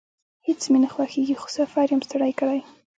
هیڅ مې نه خوښیږي، خو سفر یم ستړی کړی